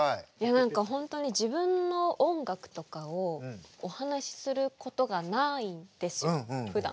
何か本当に自分の音楽とかをお話しすることがないんですよふだん。